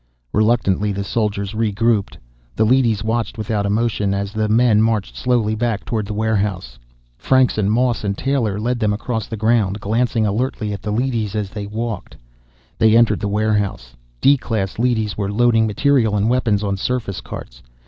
Reluctantly, the soldiers regrouped. The leadys watched without emotion as the men marched slowly back toward the warehouse. Franks and Moss and Taylor led them across the ground, glancing alertly at the leadys as they walked. They entered the warehouse. D class leadys were loading material and weapons on surface carts.